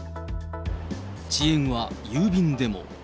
遅延は郵便でも。